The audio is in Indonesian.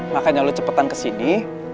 makanya lo cepetan kesini